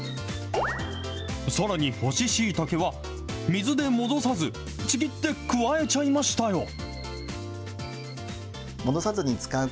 さらに干ししいたけは水で戻さず、ちぎって加えちゃいましたよ。